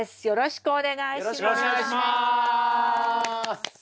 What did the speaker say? よろしくお願いします！